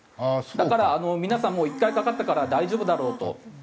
だから皆さんもう１回かかったから大丈夫だろうと。